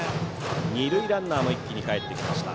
二塁ランナーも一気にかえってきました。